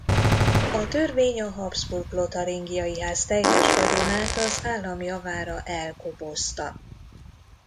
A törvény a Habsburg–Lotaringiai-ház teljes vagyonát az állam javára elkobozta.